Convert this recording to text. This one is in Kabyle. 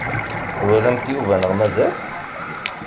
Twalamt Yuba neɣ mazal?